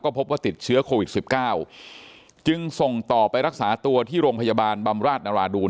พบว่าติดเชื้อโควิด๑๙จึงส่งต่อไปรักษาตัวที่โรงพยาบาลบำราชนราดูล